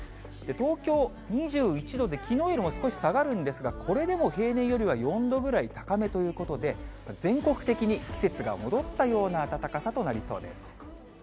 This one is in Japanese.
東京２１度で、きのうよりも少し下がるんですが、これでも平年よりは４度ぐらい高めということで、全国的に季節が戻ったような暖かさとなりそうです。